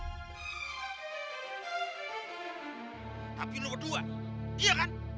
tapi lu kedua